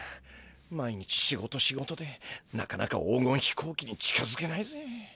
毎日しごとしごとでなかなか黄金飛行機に近づけないぜ。